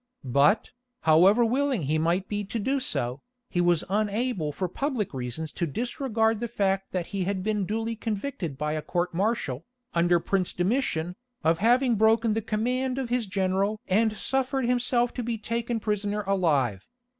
But, however willing he might be to do so, he was unable for public reasons to disregard the fact that he had been duly convicted by a court martial, under the Prince Domitian, of having broken the command of his general and suffered himself to be taken prisoner alive.